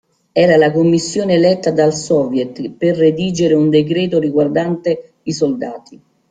Era la commissione eletta dal Soviet per redigere un decreto riguardante i soldati.